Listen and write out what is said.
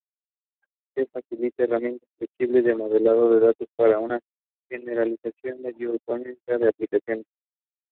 Here she first identified that stem cells and their derivatives responded to diet.